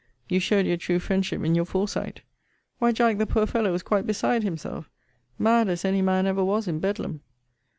Your showed your true friendship in your foresight. Why, Jack, the poor fellow was quite beside himself mad as any man ever was in Bedlam.